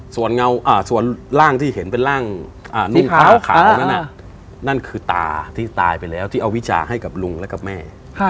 ส่วนร่างที่เห็นเป็นร่างนุ่งขาวนั้นนั่นคือตาที่ตายไปแล้วที่เอาวิชาให้กับลุงและกับแม่